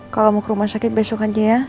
kalau mau ke rumah sakit besok aja ya